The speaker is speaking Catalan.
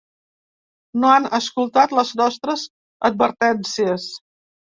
No han escoltat les nostres advertències.